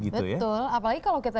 betul apalagi kalau kita